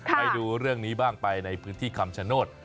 ไปดูเรื่องนี้บ้างไปในพื้นที่คำชโนธ